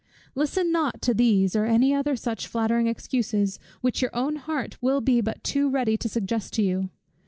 Listen not to these, or any other such flattering excuses, which your own heart will be but too ready to suggest to you.